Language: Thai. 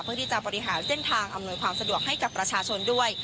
เพื่อที่จะบริหารเส้นทางอำนวยความสะดวกให้กับประชาชนด้วย